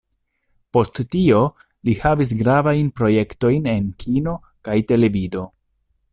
Post tio li havis gravajn projektojn en kino kaj televido.